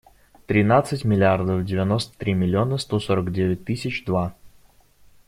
Тринадцать миллиардов девяносто три миллиона сто сорок девять тысяч два.